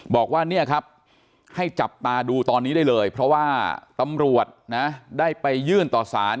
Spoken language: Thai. บอกว่าเนี่ยครับให้จับตาดูตอนนี้ได้เลยเพราะว่าตำรวจนะได้ไปยื่นต่อสาร